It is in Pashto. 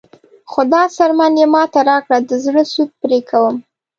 خو دا څرمن یې ماته راکړه د زړه سود پرې کوم.